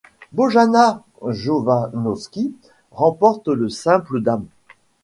Bojana Jovanovski remporte le simple dames.